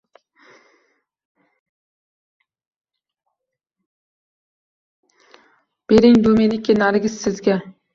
- Bering bu meniki, narigisi sizga...